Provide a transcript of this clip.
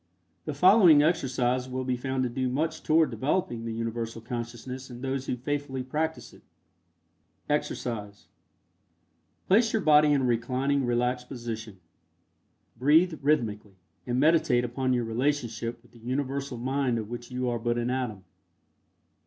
The following exercise will be found to do much toward developing the Universal Consciousness in those who faithfully practice it. EXERCISE. Place your body in a reclining, relaxed position. Breathe rhythmically, and meditate upon your relationship with the Universal Mind of which you are but an atom.